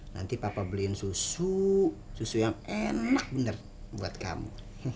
nanti papa beliin susu susu yang enak bener buat kamu